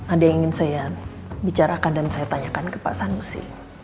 ada yang ingin saya bicarakan dan saya tanyakan ke pak sanusi